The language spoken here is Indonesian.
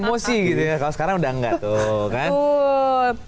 emosi gitu ya kalau sekarang udah enggak tuh kan